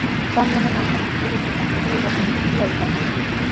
Tamyamunantami ullukuta murunanpaq shuyaykan.